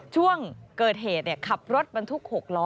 ช่วงเกิดเหตุขับรถบรรทุก๖ล้อ